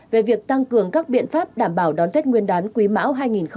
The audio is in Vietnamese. về việc tăng cường các biện pháp đảm bảo đón tết nguyên đán quý mão hai nghìn hai mươi